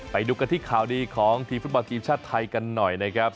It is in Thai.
ไปดูกันที่ข่าวดีของทีมฟุตบอลทีมชาติไทยกันหน่อยนะครับ